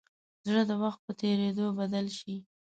زړه د وخت په تېرېدو بدل شي.